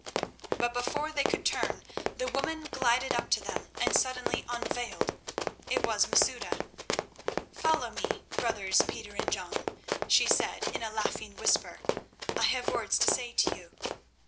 But before they could turn the woman glided up to them and suddenly unveiled. It was Masouda. "Follow me, brothers Peter and John," she said in a laughing whisper. "I have words to say to you.